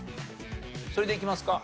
それでいきますか？